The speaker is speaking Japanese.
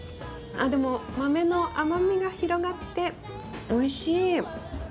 でも豆の甘みが広がっておいしい！